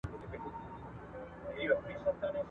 شمع یم جلوه یمه لمبه یمه سوځېږمه ..